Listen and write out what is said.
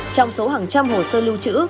trong số hàng trăm hồ sơ lưu chữ